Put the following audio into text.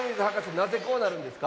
なぜこうなるんですか？